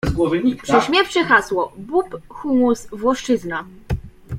Prześmiewcze hasło: Bób, hummus, włoszczyzna.